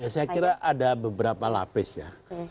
saya kira ada beberapa lapis ya